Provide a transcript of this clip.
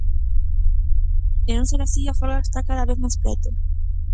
De non ser así, a folga está cada vez máis preto.